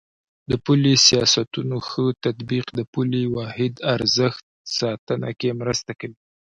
د پولي سیاستونو ښه تطبیق د پولي واحد ارزښت ساتنه کې مرسته کړې ده.